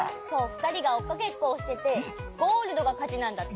ふたりがおっかけっこをしててゴールドがかちなんだって。